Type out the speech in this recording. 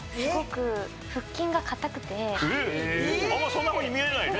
私、あんまそんなふうに見えないね。